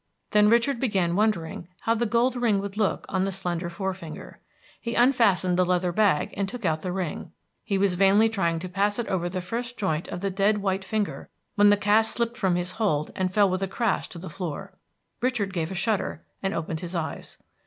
Then Richard began wondering how the gold ring would look in the slender forefinger. He unfastened the leather bag and took out the ring. He was vainly trying to pass it over the first joint of the dead white finger, when the cast slipped from his hold and fell with a crash to the floor. Richard gave a shudder, and opened his eyes.